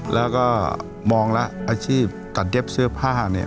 แล้วก็มองแล้วอาชีพตัดเย็บเสื้อผ้าเนี่ย